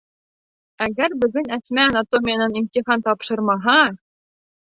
Әгәр бөгөн Әсмә анатомиянан имтихан тапшырмаһа...